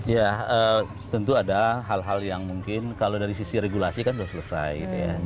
ya tentu ada hal hal yang mungkin kalau dari sisi regulasi kan sudah selesai